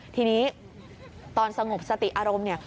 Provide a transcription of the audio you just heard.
ทีนี้ตอนสงบสติอารมณ์เนี่ย